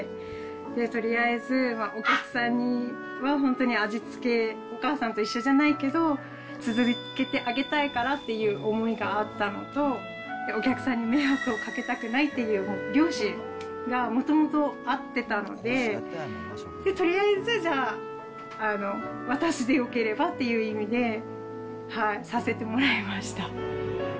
とりあえずお客さんには本当に味付け、お母さんと一緒じゃないけど、続けてあげたいからっていう思いがあったのと、お客さんに迷惑をかけたくないっていう、良心がもともとあってたので、とりあえずじゃあ、私でよければという意味で、させてもらいました。